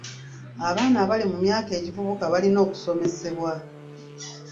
Abaana abali mu myaka egivubuka balina okusomesebwa.